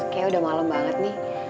kayaknya udah malam banget nih